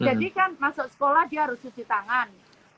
jadi kan masuk sekolah dia harus cuci tangan